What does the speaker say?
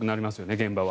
現場は。